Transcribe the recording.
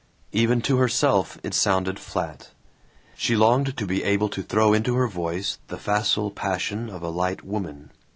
Even to herself it sounded flat. She longed to be able to throw into her voice the facile passion of a light woman.